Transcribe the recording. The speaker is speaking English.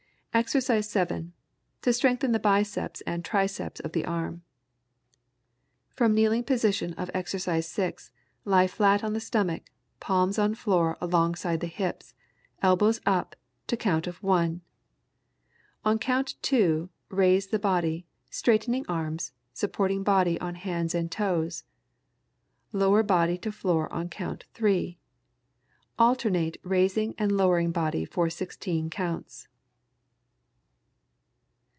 [Illustration: EXERCISE 7. To strengthen the biceps and triceps of the arm.] From kneeling position of Exercise 6, lie flat on the stomach, palms on floor alongside the hips, elbows up, to count of "one." On count "two," raise the body, straightening arms, supporting body on hands and toes. Lower body to floor on count "three." Alternate raising and lowering body for sixteen counts.